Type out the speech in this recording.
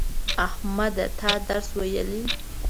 احمده تا درس ویلی